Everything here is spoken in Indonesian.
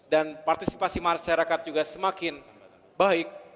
dan partisipasi masyarakat juga semakin baik